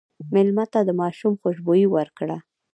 مېلمه ته د ماشوم خوشبويي ورکړه.